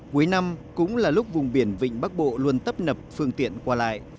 cuối năm cũng là lúc vùng biển vịnh bắc bộ luôn tấp nập phương tiện qua lại